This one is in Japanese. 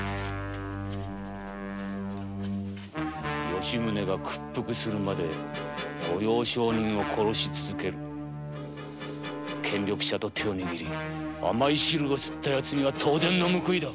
吉宗が屈服するまで御用商人を殺し続ける権力者と手を握り甘い汁を吸ったヤツには当然の報いだ。